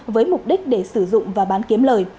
với mục đích để sử dụng và bán kiếm lời